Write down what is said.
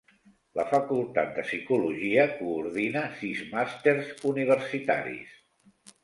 La Facultat de Psicologia coordina sis màsters universitaris.